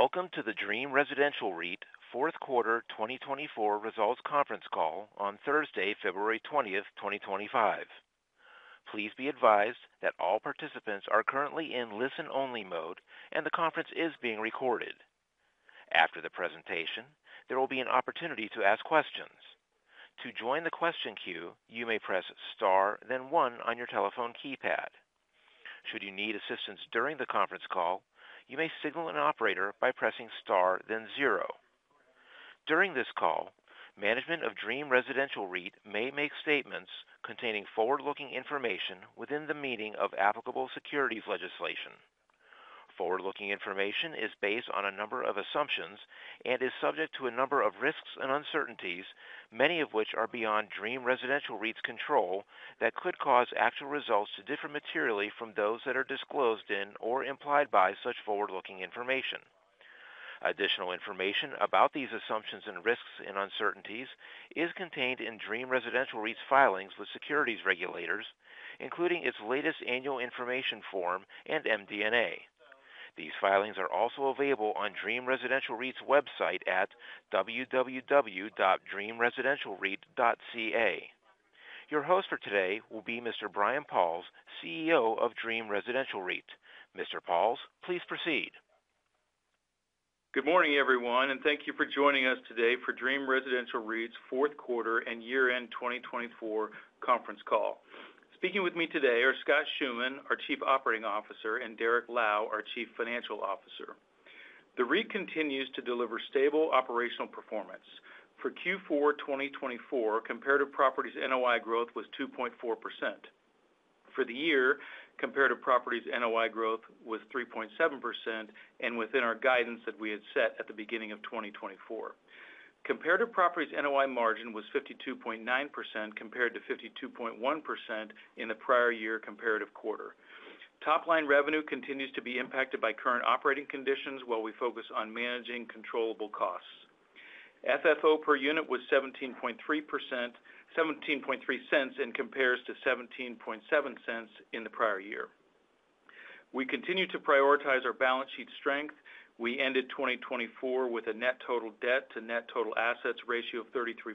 Welcome to the Dream Residential REIT Fourth Quarter 2024 Results Conference Call on Thursday, February 20th, 2025. Please be advised that all participants are currently in listen-only mode and the conference is being recorded. After the presentation, there will be an opportunity to ask questions. To join the question queue, you may press star, then one on your telephone keypad. Should you need assistance during the conference call, you may signal an operator by pressing star, then zero. During this call, management of Dream Residential REIT may make statements containing forward-looking information within the meaning of applicable securities legislation. Forward-looking information is based on a number of assumptions and is subject to a number of risks and uncertainties, many of which are beyond Dream Residential REIT's control that could cause actual results to differ materially from those that are disclosed in or implied by such forward-looking information. Additional information about these assumptions and risks and uncertainties is contained in Dream Residential REIT's filings with securities regulators, including its latest annual information form and MD&A. These filings are also available on Dream Residential REIT's website at www.dreamresidentialreit.ca. Your host for today will be Mr. Brian Pauls, CEO of Dream Residential REIT. Mr. Pauls, please proceed. Good morning, everyone, and thank you for joining us today for Dream Residential REIT's Fourth Quarter and Year End 2024 Conference Call. Speaking with me today are Scott Schoeman, our Chief Operating Officer, and Derrick Lau, our Chief Financial Officer. The REIT continues to deliver stable operational performance. For Q4 2024, comparative properties NOI growth was 2.4%. For the year, comparative properties NOI growth was 3.7% and within our guidance that we had set at the beginning of 2024. Comparative properties NOI margin was 52.9% compared to 52.1% in the prior year comparative quarter. Top-line revenue continues to be impacted by current operating conditions while we focus on managing controllable costs. FFO per unit was $0.173 and compares to $0.177 in the prior year. We continue to prioritize our balance sheet strength. We ended 2024 with a net total debt to net total assets ratio of 33%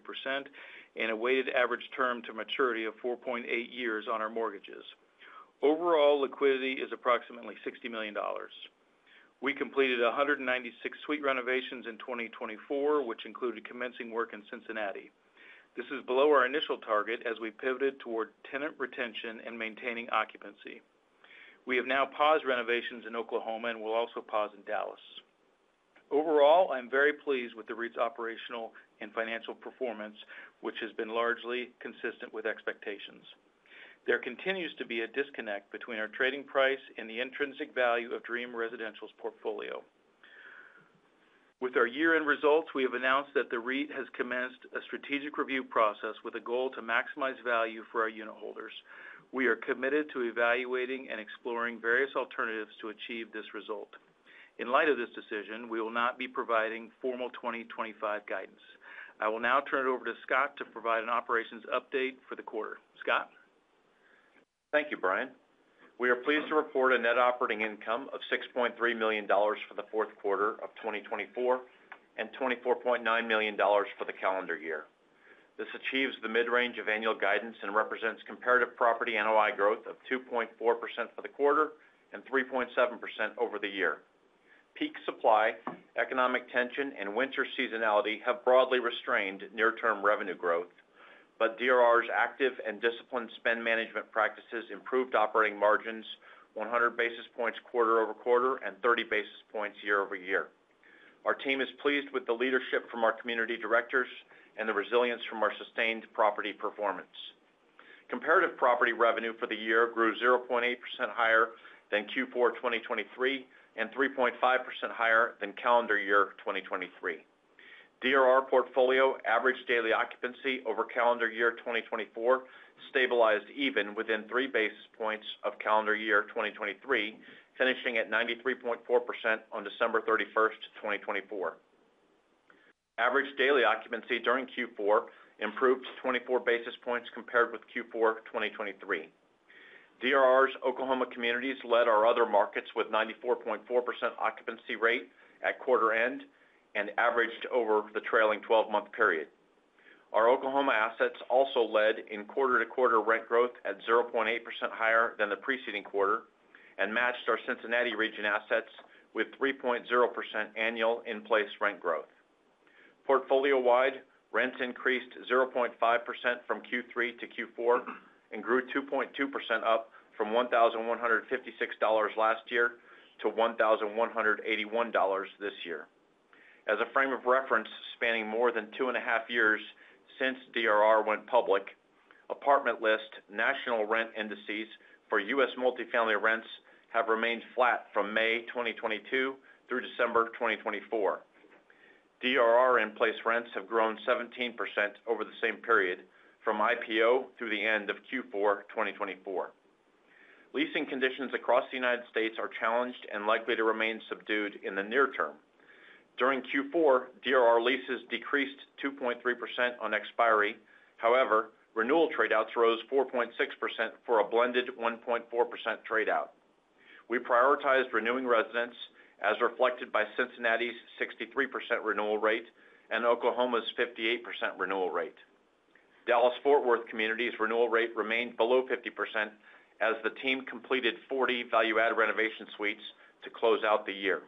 and a weighted average term to maturity of 4.8 years on our mortgages. Overall liquidity is approximately $60 million. We completed 196 suite renovations in 2024, which included commencing work in Cincinnati. This is below our initial target as we pivoted toward tenant retention and maintaining occupancy. We have now paused renovations in Oklahoma and will also pause in Dallas. Overall, I'm very pleased with the REIT's operational and financial performance, which has been largely consistent with expectations. There continues to be a disconnect between our trading price and the intrinsic value of Dream Residential's portfolio. With our year-end results, we have announced that the REIT has commenced a strategic review process with a goal to maximize value for our unit holders. We are committed to evaluating and exploring various alternatives to achieve this result. In light of this decision, we will not be providing formal 2025 guidance. I will now turn it over to Scott to provide an operations update for the quarter. Scott? Thank you, Brian. We are pleased to report a net operating income of $6.3 million for the fourth quarter of 2024 and $24.9 million for the calendar year. This achieves the mid-range of annual guidance and represents comparative property NOI growth of 2.4% for the quarter and 3.7% over the year. Peak supply, economic tension, and winter seasonality have broadly restrained near-term revenue growth, but DRR's active and disciplined spend management practices improved operating margins 100 basis points quarter over quarter and 30 basis points year-over-year. Our team is pleased with the leadership from our community directors and the resilience from our sustained property performance. Comparative property revenue for the year grew 0.8% higher than Q4 2023 and 3.5% higher than calendar year 2023. DRR portfolio average daily occupancy over calendar year 2024 stabilized even within three basis points of calendar year 2023, finishing at 93.4% on December 31st, 2024. Average daily occupancy during Q4 improved 24 basis points compared with Q4 2023. DRR's Oklahoma communities led our other markets with a 94.4% occupancy rate at quarter end and averaged over the trailing 12-month period. Our Oklahoma assets also led in quarter-to-quarter rent growth at 0.8% higher than the preceding quarter and matched our Cincinnati region assets with 3.0% annual in-place rent growth. Portfolio-wide, rents increased 0.5% from Q3 to Q4 and grew 2.2% up from $1,156 last year to $1,181 this year. As a frame of reference, spanning more than two and a half years since DRR went public, Apartment List national rent indices for U.S. multifamily rents have remained flat from May 2022 through December 2024. DRR in-place rents have grown 17% over the same period from IPO through the end of Q4 2024. Leasing conditions across the U.S. are challenged and likely to remain subdued in the near term. During Q4, DRR leases decreased 2.3% on expiry. However, renewal tradeouts rose 4.6% for a blended 1.4% tradeout. We prioritized renewing residents as reflected by Cincinnati's 63% renewal rate and Oklahoma's 58% renewal rate. Dallas-Fort Worth community's renewal rate remained below 50% as the team completed 40 value-add renovation suites to close out the year.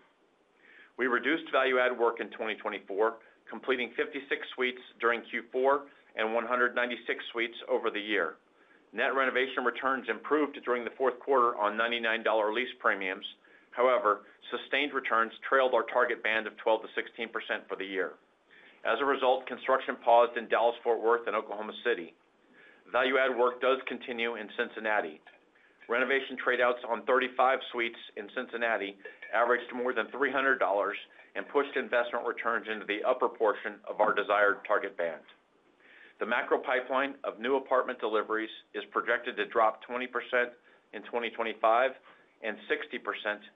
We reduced value-add work in 2024, completing 56 suites during Q4 and 196 suites over the year. Net renovation returns improved during the fourth quarter on $99 lease premiums. However, sustained returns trailed our target band of 12%-16% for the year. As a result, construction paused in Dallas-Fort Worth and Oklahoma City. Value-add work does continue in Cincinnati. Renovation tradeouts on 35 suites in Cincinnati averaged more than $300 and pushed investment returns into the upper portion of our desired target band. The macro pipeline of new apartment deliveries is projected to drop 20% in 2025 and 60%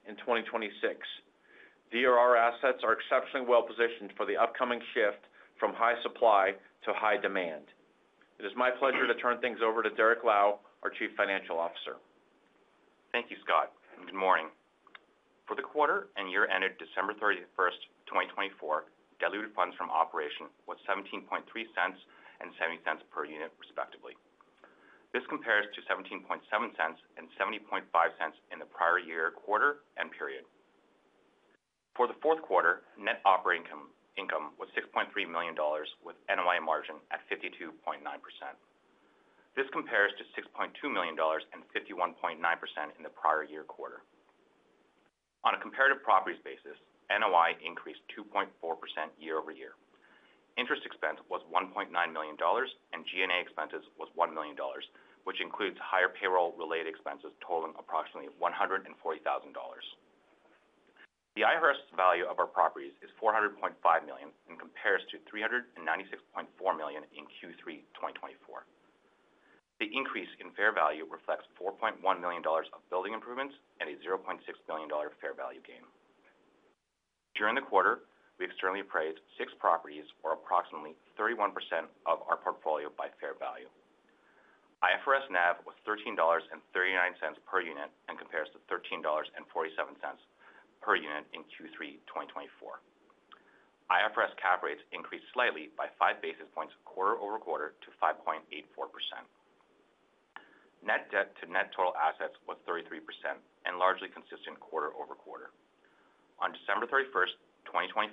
in 2026. DRR assets are exceptionally well-positioned for the upcoming shift from high supply to high demand. It is my pleasure to turn things over to Derrick Lau, our Chief Financial Officer. Thank you, Scott. Good morning. For the quarter and year ended December 31st, 2024, diluted funds from operation was $0.173 and $0.70 per unit, respectively. This compares to $0.177 and $0.705 in the prior year quarter and period. For the fourth quarter, net operating income was $6.3 million with NOI margin at 52.9%. This compares to $6.2 million and 51.9% in the prior year quarter. On a comparative properties basis, NOI increased 2.4% year-over-year. Interest expense was $1.9 million and G&A expenses was $1 million, which includes higher payroll-related expenses totaling approximately $140,000. The IFRS value of our properties is $400.5 million and compares to $396.4 million in Q3 2024. The increase in fair value reflects $4.1 million of building improvements and a $0.6 million fair value gain. During the quarter, we externally appraised six properties or approximately 31% of our portfolio by fair value. IFRS NAV was $13.39 per unit and compares to $13.47 per unit in Q3 2024. IFRS cap rates increased slightly by five basis points quarter over quarter to 5.84%. Net debt to net total assets was 33% and largely consistent quarter-over-quarter. On December 31st, 2024,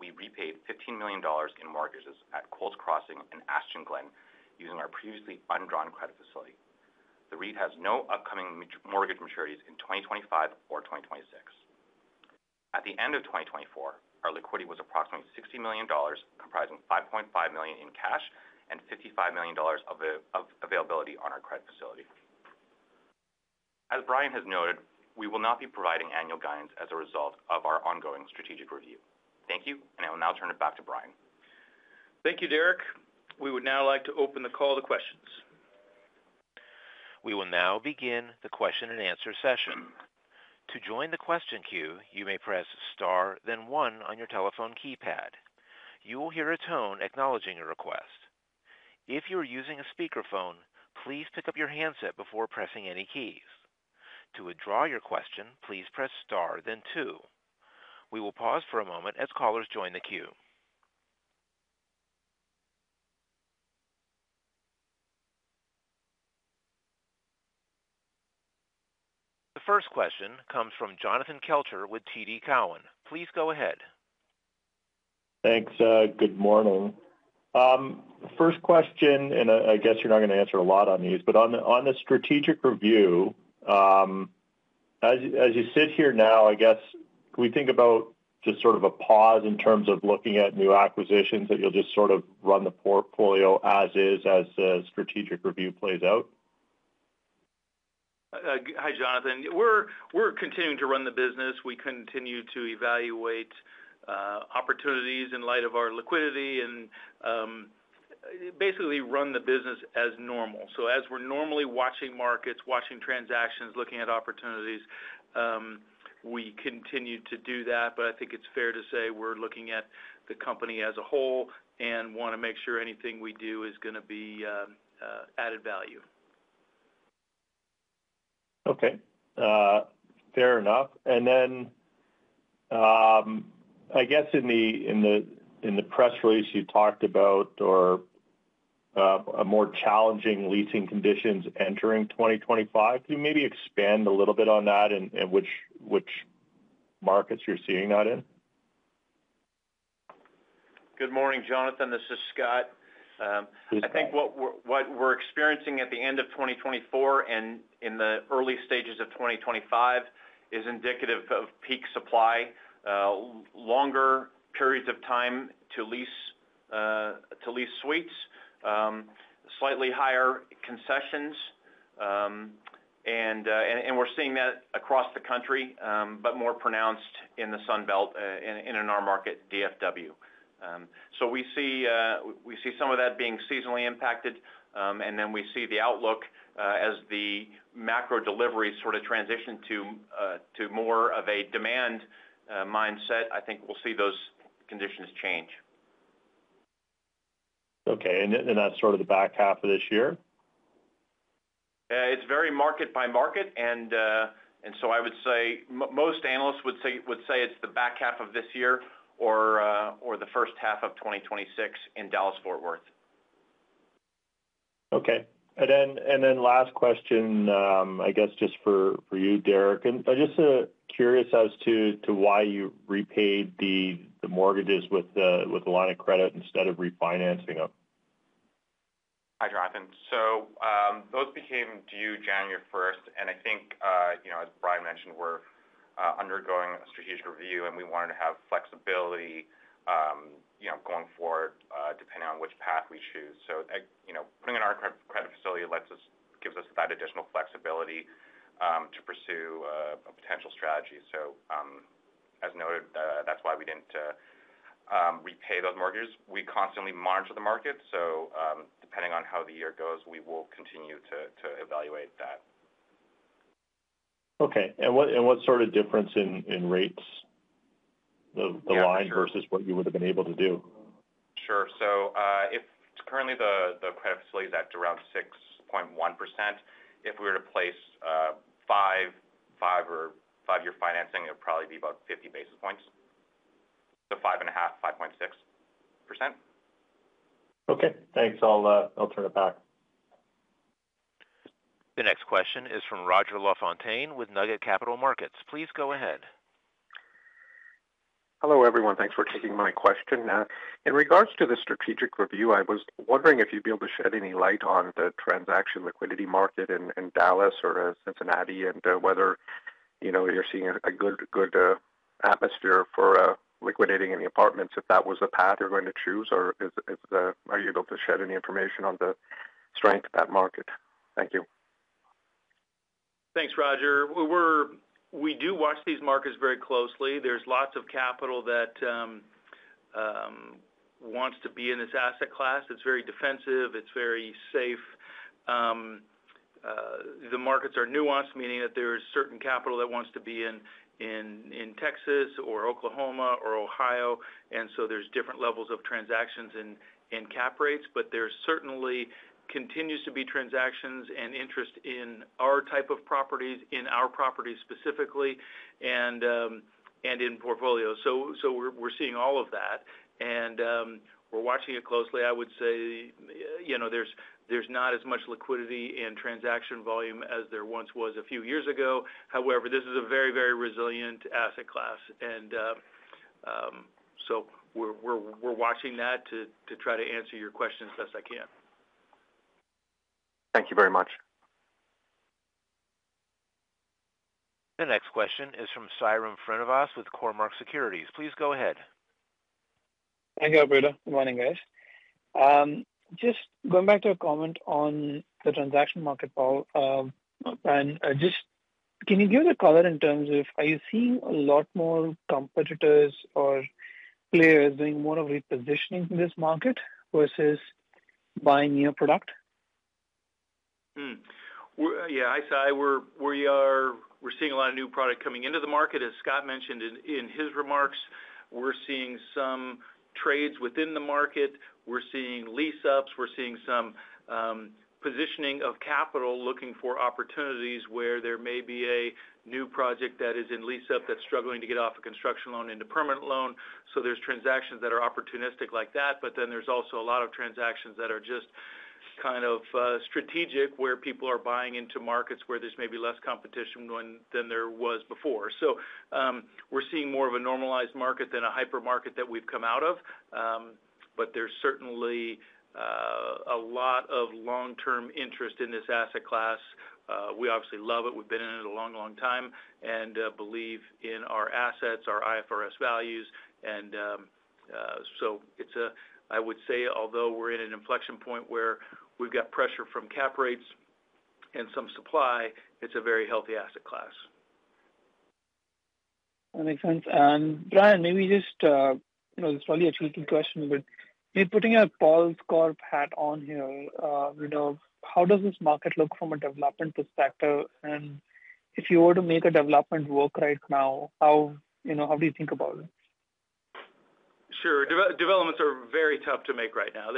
we repaid $15 million in mortgages at Coles Crossing in Ashton Glenn, using our previously undrawn credit facility. The REIT has no upcoming mortgage maturities in 2025 or 2026. At the end of 2024, our liquidity was approximately $60 million, comprising $5.5 million in cash and $55 million of availability on our credit facility. As Brian has noted, we will not be providing annual guidance as a result of our ongoing strategic review. Thank you, and I will now turn it back to Brian. Thank you, Derrick. We would now like to open the call to questions. We will now begin the question and answer session. To join the question queue, you may press star, then one on your telephone keypad. You will hear a tone acknowledging your request. If you are using a speakerphone, please pick up your handset before pressing any keys. To withdraw your question, please press star, then two. We will pause for a moment as callers join the queue. The first question comes from Jonathan Kelcher with TD Cowen. Please go ahead. Thanks. Good morning. First question, and I guess you're not going to answer a lot on these, but on the strategic review, as you sit here now, I guess we think about just sort of a pause in terms of looking at new acquisitions that you'll just sort of run the portfolio as is as the strategic review plays out. Hi, Jonathan. We're continuing to run the business. We continue to evaluate opportunities in light of our liquidity and basically run the business as normal. As we're normally watching markets, watching transactions, looking at opportunities, we continue to do that. I think it's fair to say we're looking at the company as a whole and want to make sure anything we do is going to be added value. Okay. Fair enough. I guess in the press release you talked about or more challenging leasing conditions entering 2025, can you maybe expand a little bit on that and which markets you're seeing that in? Good morning, Jonathan. This is Scott. Please. I think what we're experiencing at the end of 2024 and in the early stages of 2025 is indicative of peak supply, longer periods of time to lease suites, slightly higher concessions. We are seeing that across the country, but more pronounced in the Sunbelt and in our market, DFW. We see some of that being seasonally impacted. We see the outlook as the macro deliveries sort of transition to more of a demand mindset. I think we'll see those conditions change. Okay. That's sort of the back half of this year? It's very market by market. I would say most analysts would say it's the back half of this year or the first half of 2026 in Dallas-Fort Worth. Okay. Last question, I guess just for you, Derrick. Just curious as to why you repaid the mortgages with a line of credit instead of refinancing them. Hi, Jonathan. Those became due January 1st. I think, as Brian mentioned, we're undergoing a strategic review, and we wanted to have flexibility going forward depending on which path we choose. Putting in our credit facility gives us that additional flexibility to pursue a potential strategy. As noted, that's why we didn't repay those mortgages. We constantly monitor the market. Depending on how the year goes, we will continue to evaluate that. Okay. What sort of difference in rates? The line versus what you would have been able to do? Sure. Currently, the credit facility is at around 6.1%. If we were to place five-year financing, it would probably be about 50 basis points. So 5.5%-5.6%. Okay. Thanks. I'll turn it back. The next question is from Roger Lafontaine with Nugget Capital Markets. Please go ahead. Hello, everyone. Thanks for taking my question. In regards to the strategic review, I was wondering if you'd be able to shed any light on the transaction liquidity market in Dallas or Cincinnati and whether you're seeing a good atmosphere for liquidating any apartments if that was the path you're going to choose. Are you able to shed any information on the strength of that market? Thank you. Thanks, Roger. We do watch these markets very closely. There's lots of capital that wants to be in this asset class. It's very defensive. It's very safe. The markets are nuanced, meaning that there is certain capital that wants to be in Texas or Oklahoma or Ohio. There are different levels of transactions and cap rates. There certainly continues to be transactions and interest in our type of properties, in our properties specifically, and in portfolios. We are seeing all of that. We are watching it closely. I would say there's not as much liquidity and transaction volume as there once was a few years ago. However, this is a very, very resilient asset class. We are watching that to try to answer your questions as best I can. Thank you very much. The next question is from Sairam Srinivas with CorMark Securities. Please go ahead. Hi there, Brian. Good morning, guys. Just going back to a comment on the transaction market, Paul. Just can you give it a color in terms of are you seeing a lot more competitors or players doing more of repositioning in this market versus buying new product? Yeah. I said we're seeing a lot of new product coming into the market. As Scott mentioned in his remarks, we're seeing some trades within the market. We're seeing lease-ups. We're seeing some positioning of capital looking for opportunities where there may be a new project that is in lease-up that's struggling to get off a construction loan into permanent loan. There are transactions that are opportunistic like that. There are also a lot of transactions that are just kind of strategic where people are buying into markets where there's maybe less competition than there was before. We're seeing more of a normalized market than a hypermarket that we've come out of. There is certainly a lot of long-term interest in this asset class. We obviously love it. We've been in it a long, long time and believe in our assets, our IFRS values. I would say, although we're in an inflection point where we've got pressure from cap rates and some supply, it's a very healthy asset class. That makes sense. Brian, maybe just this is probably a tricky question, but putting a Scott Schoeman hat on here, how does this market look from a development perspective? And if you were to make a development work right now, how do you think about it? Sure. Developments are very tough to make right now.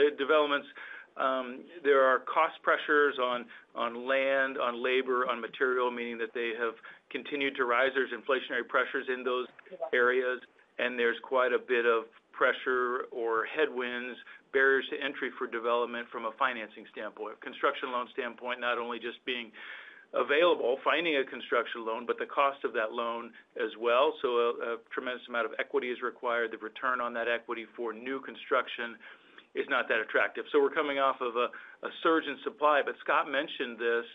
There are cost pressures on land, on labor, on material, meaning that they have continued to rise. There are inflationary pressures in those areas. There is quite a bit of pressure or headwinds, barriers to entry for development from a financing standpoint, construction loan standpoint, not only just being available, finding a construction loan, but the cost of that loan as well. A tremendous amount of equity is required. The return on that equity for new construction is not that attractive. We are coming off of a surge in supply. Scott mentioned this,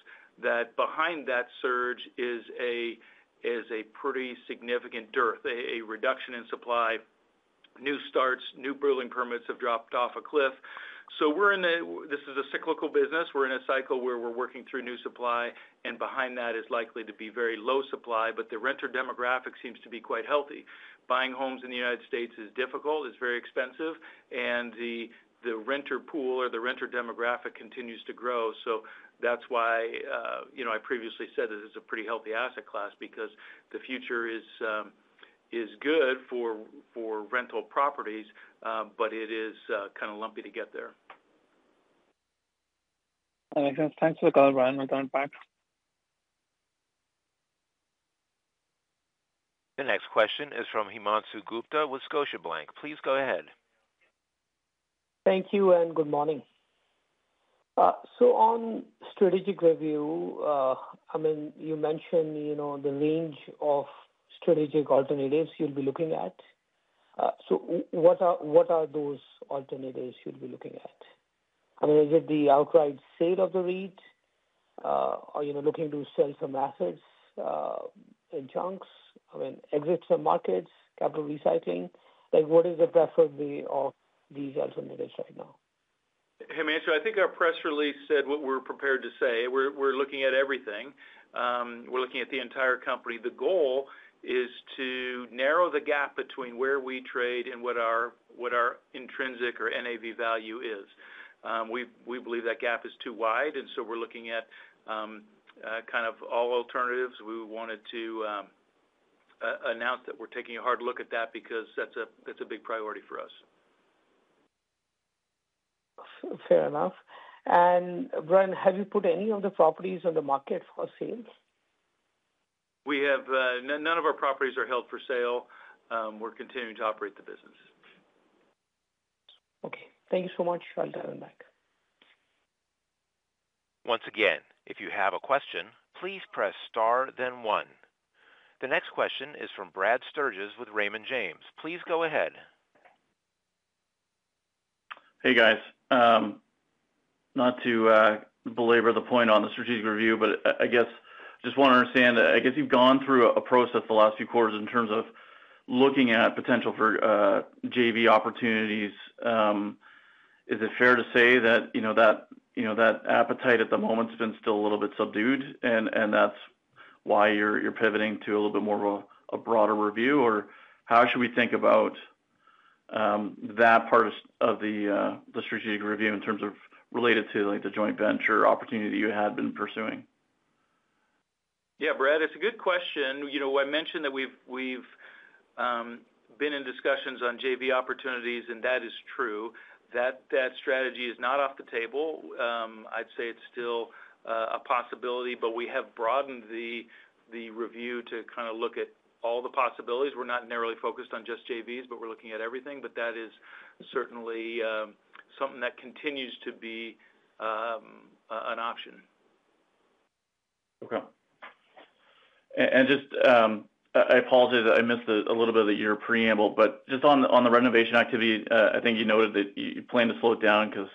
that behind that surge is a pretty significant dearth, a reduction in supply. New starts, new building permits have dropped off a cliff. This is a cyclical business. We are in a cycle where we are working through new supply. Behind that is likely to be very low supply. The renter demographic seems to be quite healthy. Buying homes in the U.S. is difficult. It is very expensive. The renter pool or the renter demographic continues to grow. That is why I previously said that it is a pretty healthy asset class because the future is good for rental properties, but it is kind of lumpy to get there. That makes sense. Thanks for the call, Brian. We'll turn it back. The next question is from Himanshu Gupta with Scotiabank. Please go ahead. Thank you and good morning. On strategic review, I mean, you mentioned the range of strategic alternatives you'll be looking at. What are those alternatives you'll be looking at? I mean, is it the outright sale of the REIT? Are you looking to sell some assets in chunks? I mean, exit some markets, capital recycling? What is the preferred way of these alternatives right now? Himanshu, I think our press release said what we're prepared to say. We're looking at everything. We're looking at the entire company. The goal is to narrow the gap between where we trade and what our intrinsic or NAV value is. We believe that gap is too wide. We are looking at kind of all alternatives. We wanted to announce that we're taking a hard look at that because that's a big priority for us. Fair enough. Brian, have you put any of the properties on the market for sale? None of our properties are held for sale. We're continuing to operate the business. Okay. Thank you so much. I'll turn it back. Once again, if you have a question, please press star, then one. The next question is from Brad Sturges with Raymond James. Please go ahead. Hey, guys. Not to belabor the point on the strategic review, but I guess I just want to understand. I guess you've gone through a process the last few quarters in terms of looking at potential for JV opportunities. Is it fair to say that that appetite at the moment has been still a little bit subdued? That's why you're pivoting to a little bit more of a broader review? How should we think about that part of the strategic review in terms of related to the joint venture opportunity that you had been pursuing? Yeah, Brad, it's a good question. I mentioned that we've been in discussions on JV opportunities, and that is true. That strategy is not off the table. I'd say it's still a possibility, but we have broadened the review to kind of look at all the possibilities. We're not narrowly focused on just JVs, but we're looking at everything. That is certainly something that continues to be an option. Okay. I apologize. I missed a little bit of your preamble. Just on the renovation activity, I think you noted that you plan to slow it down because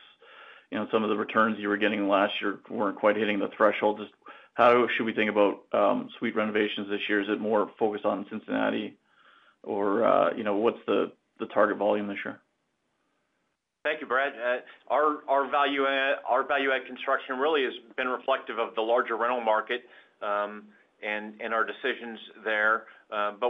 some of the returns you were getting last year were not quite hitting the threshold. How should we think about suite renovations this year? Is it more focused on Cincinnati? What is the target volume this year? Thank you, Brad. Our value-add construction really has been reflective of the larger rental market and our decisions there.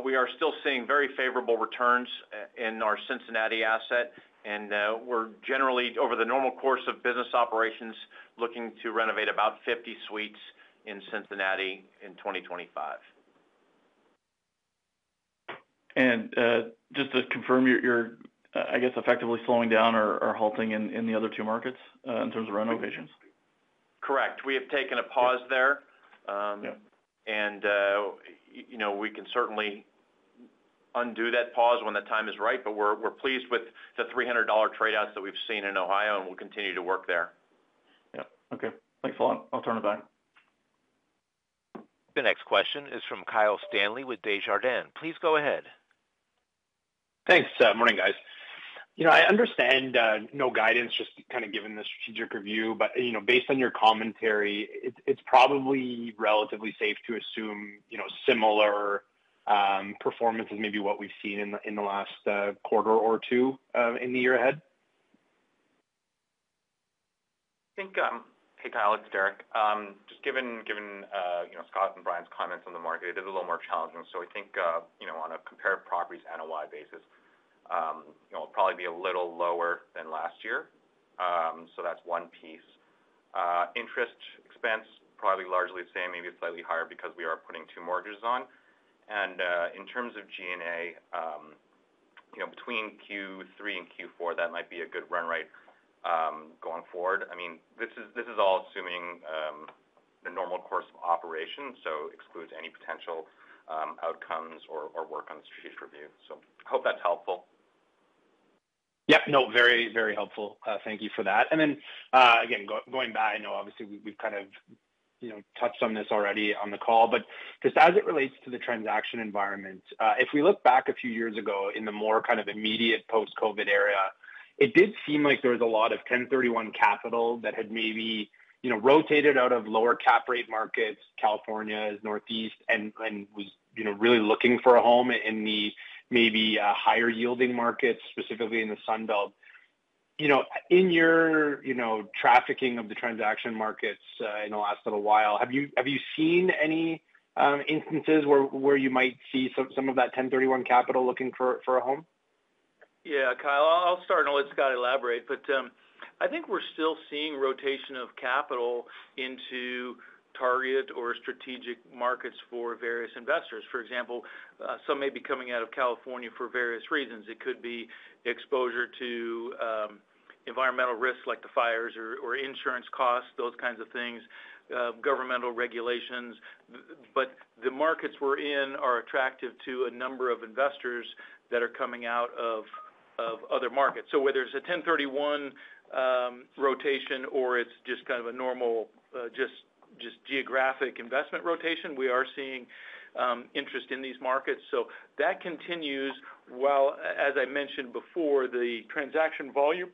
We are still seeing very favorable returns in our Cincinnati asset. We are generally, over the normal course of business operations, looking to renovate about 50 suites in Cincinnati in 2025. Just to confirm, you're, I guess, effectively slowing down or halting in the other two markets in terms of renovations? Correct. We have taken a pause there. We can certainly undo that pause when the time is right. We are pleased with the $300 trade-outs that we have seen in Ohio, and we will continue to work there. Yeah. Okay. Thanks a lot. I'll turn it back. The next question is from Kyle Stanley with Desjardins. Please go ahead. Thanks. Morning, guys. I understand no guidance, just kind of given the strategic review. Based on your commentary, it's probably relatively safe to assume similar performance as maybe what we've seen in the last quarter or two in the year ahead. Hey, Kyle. It's Derrick. Just given Scott and Brian's comments on the market, it is a little more challenging. I think on a compared properties NOI basis, it'll probably be a little lower than last year. That's one piece. Interest expense, probably largely the same, maybe slightly higher because we are putting two mortgages on. In terms of G&A, between Q3 and Q4, that might be a good run rate going forward. I mean, this is all assuming the normal course of operation. This excludes any potential outcomes or work on the strategic review. I hope that's helpful. Yeah. No, very, very helpful. Thank you for that. Again, going back, obviously, we've kind of touched on this already on the call. Just as it relates to the transaction environment, if we look back a few years ago in the more kind of immediate post-COVID era, it did seem like there was a lot of 1031 capital that had maybe rotated out of lower cap rate markets, California's, Northeast, and was really looking for a home in the maybe higher yielding markets, specifically in the Sunbelt. In your trafficking of the transaction markets in the last little while, have you seen any instances where you might see some of that 1031 capital looking for a home? Yeah, Kyle. I'll start and let Scott elaborate. I think we're still seeing rotation of capital into target or strategic markets for various investors. For example, some may be coming out of California for various reasons. It could be exposure to environmental risks like the fires or insurance costs, those kinds of things, governmental regulations. The markets we're in are attractive to a number of investors that are coming out of other markets. Whether it's a 1031 rotation or it's just kind of a normal, just geographic investment rotation, we are seeing interest in these markets. That continues while, as I mentioned before, the transaction volume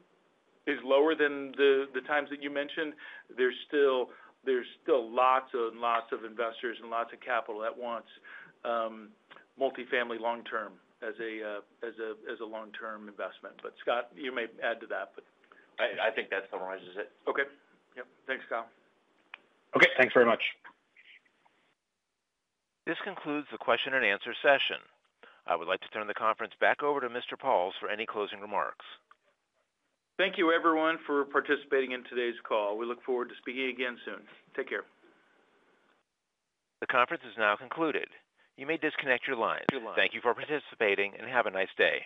is lower than the times that you mentioned. There are still lots and lots of investors and lots of capital that wants multifamily long-term as a long-term investment. Scott, you may add to that. I think that summarizes it. Okay. Yep. Thanks, Kyle. Okay. Thanks very much. This concludes the question and answer session. I would like to turn the conference back over to Mr. Pauls for any closing remarks. Thank you, everyone, for participating in today's call. We look forward to speaking again soon. Take care. The conference is now concluded. You may disconnect your line. Thank you for participating and have a nice day.